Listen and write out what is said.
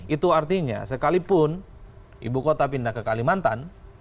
itu artinya sekalipun ibu kota pindah ke kalimantan